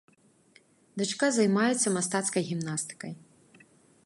Дачка займаецца мастацкай гімнастыкай.